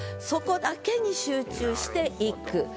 そこだけに集中して一句。